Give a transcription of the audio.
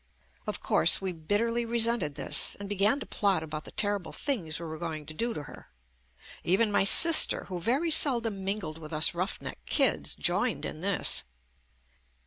Of course, we bitterly resented this and began to plot about the terrible things we were going to do to her. Even my sister, who very seldom mingled with us roughneck kids, joined in this.